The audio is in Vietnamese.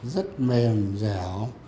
rất mềm dẻo